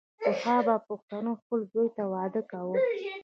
پخوا به پښتنو خپل زوی ته واده کاوو.